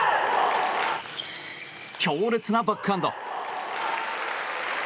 強烈なバックハンド！